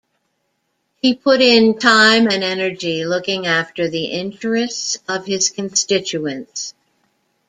He put in time and energy looking after the interests of his constituents.